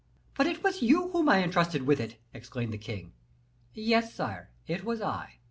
"But it was you whom I intrusted with it," exclaimed the king. "Yes, sire; it was I."